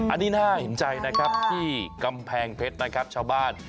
อันนี้น่าเห็นใจนะครับที่กำแพงเพชรนะครับชาวบ้าน